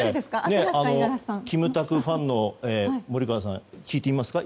キムタクファンの森川さん聞いてみますか？